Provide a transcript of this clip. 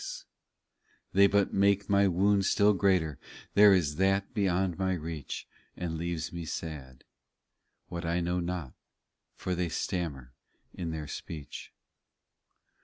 256 POEMS They but make my wound still greater, There is that beyond my reach And leaves me dead ; what I know not, For they stammer in their speech.